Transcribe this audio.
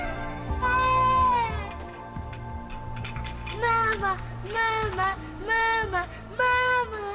ママママママママ。